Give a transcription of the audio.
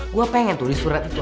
gue pengen tuh di surat itu